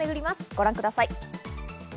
ご覧ください。